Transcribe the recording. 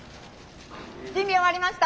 準備終わりました。